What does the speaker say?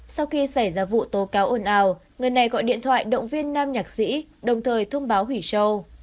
sau khi xảy ra vụ tố cáo ồn ào người này gọi điện thoại động viên nam nhạc sĩ đồng thời thông báo hủy show